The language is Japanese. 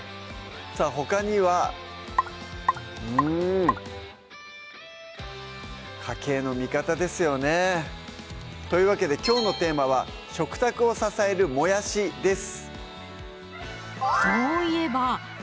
さぁほかにはうん家計の味方ですよねというわけできょうのテーマは「食卓を支えるもやし」です